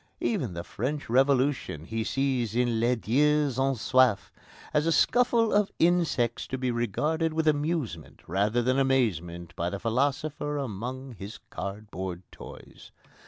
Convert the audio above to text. Even the French Revolution he sees in Les Dieux Ont Soif as a scuffle of insects to be regarded with amusement rather than amazement by the philosopher among his cardboard toys.